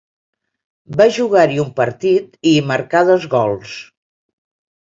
Va jugar-hi un partit, i hi marcà dos gols.